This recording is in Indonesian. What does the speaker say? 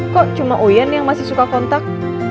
kok cuma uyan yang masih suka kontak